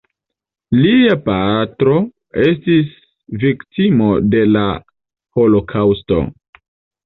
Lia patro estis viktimo de la holokaŭsto.